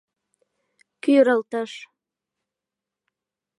КӰРЫЛТЫШ